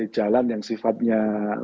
jalan yang sifatnya